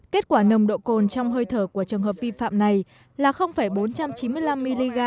kết quả nồng độ cồn trong hơi thở của trường hợp vi phạm này là bốn trăm chín mươi năm mg